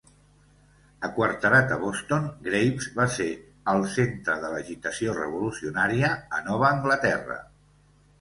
Aquarterat a Boston, Graves va ser al centre de l'agitació revolucionària a Nova Anglaterra.